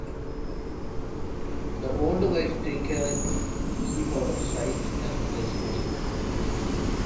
The old wives take care to keep out of sight as much as possible.